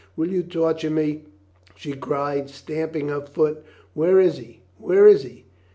"Will you torture me?" she cried, stamping her foot. "Where is he? Where is he?"